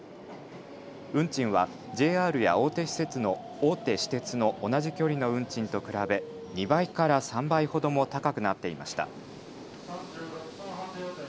運賃はＪＲや大手私鉄の同じ距離の運賃と比べ２倍から３倍ほども高くなっていました。